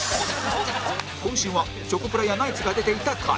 今週はチョコプラやナイツが出ていた回